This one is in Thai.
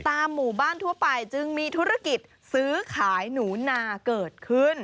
หมู่บ้านทั่วไปจึงมีธุรกิจซื้อขายหนูนาเกิดขึ้น